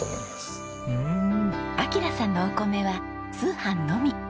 暁良さんのお米は通販のみ。